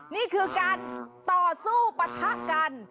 นี่คือการต่อสู้ปะทะกัน